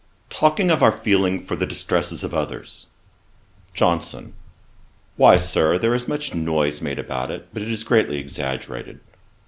Talking of our feeling for the distresses of others; JOHNSON. 'Why, Sir, there is much noise made about it, but it is greatly exaggerated.